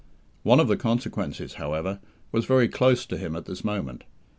One of the consequences, however, was very close to him at this moment.